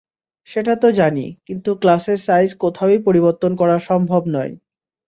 সেটা তো জানি, কিন্তু ক্লাসের সাইজ কোথাওই পরিবর্তন করা সম্ভব নয়।